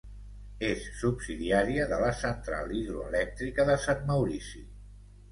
És subsidiària de la Central hidroelèctrica de Sant Maurici.